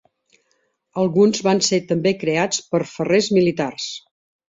Alguns van ser també creats per ferrers militars.